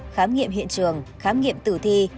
khám nghiệm hiện trường khám nghiệm tử thi